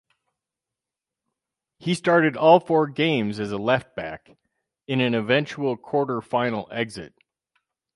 He started all four games as a left-back, in an eventual quarter-final exit.